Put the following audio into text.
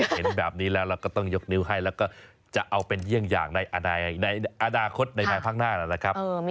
เห็นแบบนี้แล้วเราก็ต้องยกนิ้วให้แล้วก็จะเอาเป็นเยี่ยงอย่างในอนาคตในภายข้างหน้านะครับ